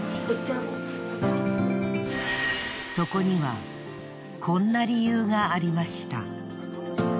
そこにはこんな理由がありました。